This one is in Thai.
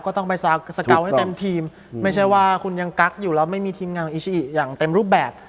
ก็ต้องไปสเกาให้เต็มทีมไม่ใช่ว่าคุณยังกั๊กอยู่แล้วไม่มีทีมงานของอิชิอิอย่างเต็มรูปแบบ